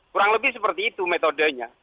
kurang lebih seperti itu metodenya